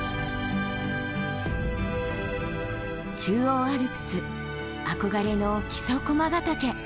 中央アルプス憧れの木曽駒ヶ岳。